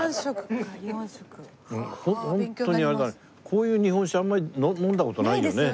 こういう日本酒あんまり飲んだ事ないよね？